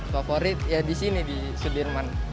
favorit ya disini di sudirman